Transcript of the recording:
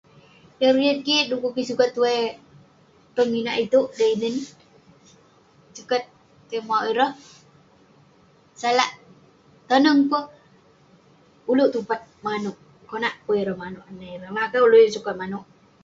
keriyet kik du'kuk kik sukat tuwai tong inak itouk, da inen, sukat tai mauk ireh, salak toneng peh, ulouk tupat manouk konak peh ireh manouk anah ireh, ngelakat ulouk yeng sukat manouk